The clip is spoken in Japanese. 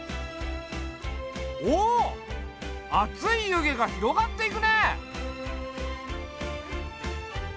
おっ熱い湯気が広がっていくね！